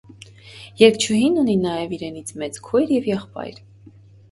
Երգչուհին ունի նաև իրենից մեծ քույր և եղբայր։